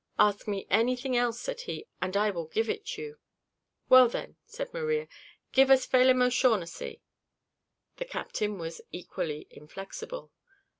"Ask me anything else," said he, "and I will give it you." "Well then," said Maria, "give us Felim O'Shaugnessy?" The captain was equally inflexible.